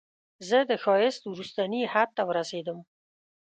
زه د ښایست وروستني حد ته ورسیدم